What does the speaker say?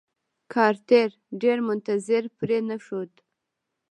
کارتر ډېر منتظر پرې نښود.